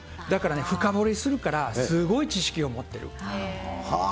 だから深掘りするからすごい知識を持ってる。